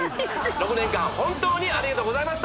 ６年間本当にありがとうございました